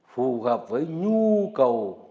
phù hợp với nhu cầu